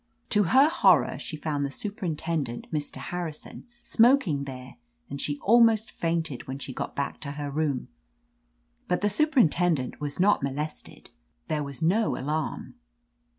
To her horror she found the superintendent, Mr. Harrison, smoking there and she almost fainted when she got back to her room. But the superintendent was not molested. There was no alarm.